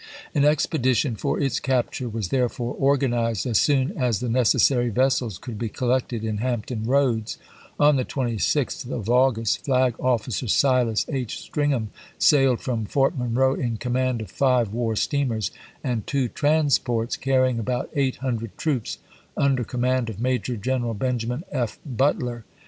An expedition for its capture was therefore or ganized, as soon as the necessary vessels could be isBL collected in Hampton Roads. On the 26th of Au gust, Flag Of&cer Silas H. Stringham sailed from Fort Monroe in command of five war steamers and two transports, carrying about eight hundred troops under command of Major General Benjamin F. Butler.